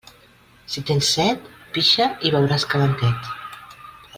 Si tens set, pixa i beuràs calentet.